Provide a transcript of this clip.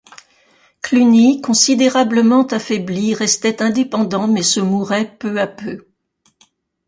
Cluny considérablement affaibli restait indépendant mais se mourait peu à peu.